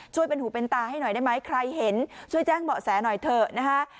ช่วยเป็นหูเป็นตาให้หน่อยได้ไหมใครเห็นช่วยแจ้งเป๋าแสหน่อยเถอะ